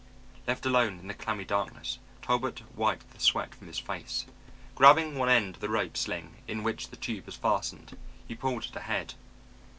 Left alone in the clammy darkness Talbot wiped the sweat from his face. Grabbing one end of the rope sling in which the tube was fastened, he pulled it ahead.